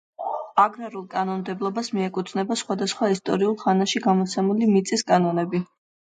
აგრარულ კანონმდებლობას მიეკუთვნება სხვადასხვა ისტორიულ ხანაში გამოცემული მიწის კანონები.